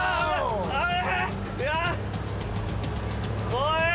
怖え！